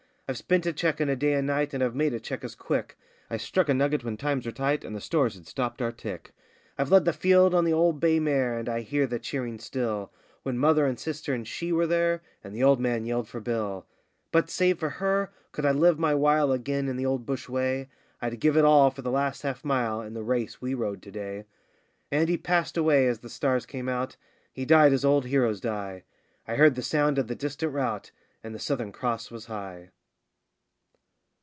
I've spent a cheque in a day and night, and I've made a cheque as quick; I struck a nugget when times were tight, and the stores had stopped our tick. I've led the field on the old bay mare, and I hear the cheering still, When mother and sister and she were there, and the old man yelled for Bill; But, save for her, could I live my while again in the old bush way, I'd give it all for the last half mile in the race we rode to day!' And he passed away as the stars came out he died as old heroes die I heard the sound of the distant rout, and the Southern Cross was high.